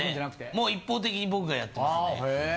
もう一方的に僕がやってますね。